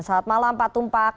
selamat malam pak tumpak